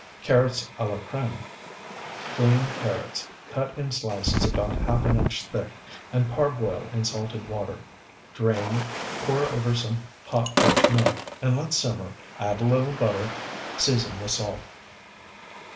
CARROTS A LA CREME Clean carrots, cut in slices about half an inch thick, and parboil in salted water. Drain, pour over some hot rich milk, and let simmer till done. Add a little butter; season with salt.